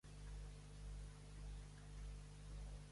Amb qui va tenir descendència ella?